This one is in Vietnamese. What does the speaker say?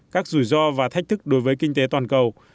các rủi ro và thách thức đối với kinh tế toàn cầu